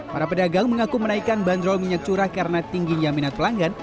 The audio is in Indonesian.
para pedagang mengaku menaikkan bandrol minyak curah karena tingginya minat pelanggan